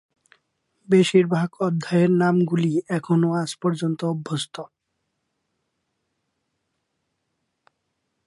বেশিরভাগ অধ্যায়ের নাম গুলি এখনও আজ পর্যন্ত অভ্যস্ত।